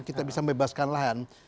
kita bisa membebaskan lahan